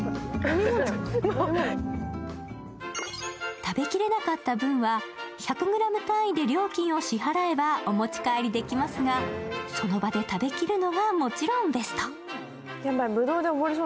食べきれなかった分は、１００ｇ単位で料金を支払えばお持ち帰りできますがその場で食べきるのがもちろんベスト。